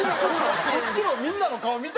こっちのみんなの顔見た？